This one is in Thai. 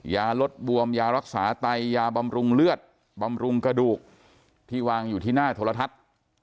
ยาลดบวมยารักษาไตยาบำรุงเลือดบำรุงกระดูกที่วางอยู่ที่หน้าโทรทัศน์